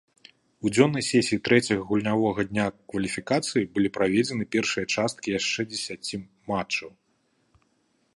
У дзённай сесіі трэцяга гульнявога дня кваліфікацыі былі праведзены першыя часткі яшчэ дзесяці матчаў.